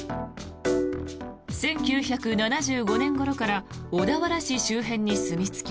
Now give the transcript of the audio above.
１９７５年ごろから小田原市周辺にすみ着き